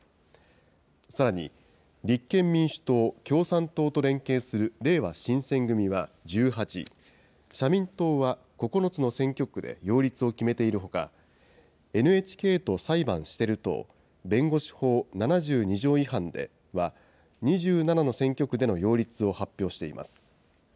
さらに、立憲民主党、共産党と連携するれいわ新選組は１８、社民党は９つの選挙区で擁立を決めているほか、ＮＨＫと裁判してる党弁護士法７２条違反では、２７の選挙区での擁立を発表しています。